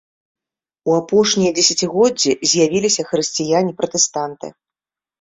У апошнія дзесяцігоддзі з'явіліся хрысціяне-пратэстанты.